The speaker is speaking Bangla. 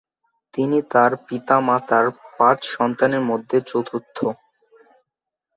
তিনি তার পিতামাতার পাঁচ সন্তানের মধ্যে চতুর্থ।